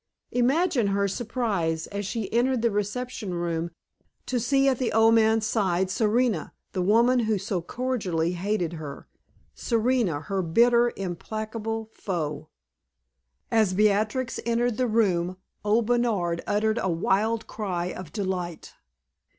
Imagine her surprise, as she entered the reception room, to see at the old man's side Serena, the woman who so cordially hated her Serena, her bitter, implacable foe! As Beatrix entered the room, old Bernard Dane uttered a wild cry of delight.